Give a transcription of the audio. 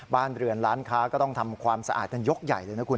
บ้านเรือนร้านค้าก็ต้องทำความสะอาดกันยกใหญ่เลยนะคุณ